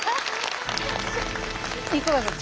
いかがですか？